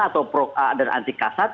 atau proak dan anti kasat